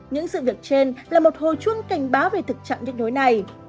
những sự việc trên là một hồ chuông cảnh báo về thực trạng những nỗi này